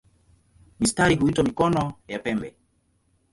Mistari huitwa "mikono" ya pembe.